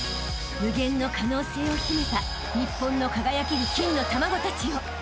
［無限の可能性を秘めた日本の輝ける金の卵たちよ］